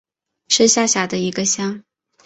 是下辖的一个乡。